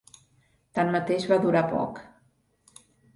Tanmateix va durar poc.